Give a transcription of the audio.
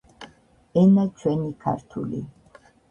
ენა ჩვენი ქართული